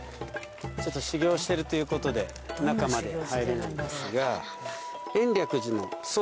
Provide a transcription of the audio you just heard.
修行してるということで中まで入れないんですが。